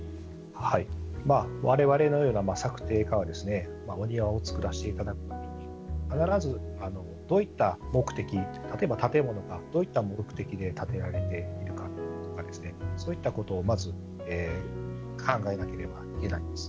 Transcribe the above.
われわれのような作庭家はお庭をつくらせていただくと必ず、どういった目的か例えば、建物がどういった目的で建てられているかとかそういったことをまず考えなければいけないんです。